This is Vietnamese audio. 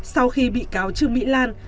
sau khi bị cáo trương mỹ lan